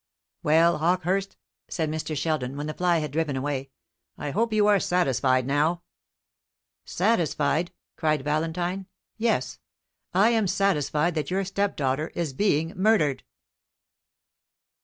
"Well, Hawkehurst," said Mr. Sheldon, when the fly had driven away, "I hope you are satisfied now?" "Satisfied!" cried Valentine; "yes, I am satisfied that your stepdaughter is being murdered!"